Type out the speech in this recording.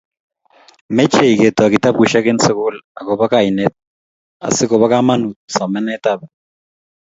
meche ketoy kitabushek eng sugul agoba kaine asigobo kamanuut somaneetab